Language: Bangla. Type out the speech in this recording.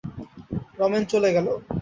রমেন চলে গেল।